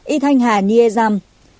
năm y thanh hà nhiê dăm